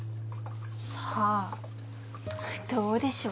さぁどうでしょう。